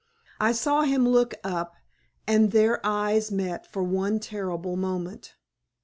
I saw him look up, and their eyes met for one terrible moment.